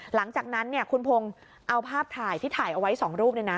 หลังจากนั้นคุณพงศ์เอาภาพถ่ายที่ถ่ายเอาไว้๒รูป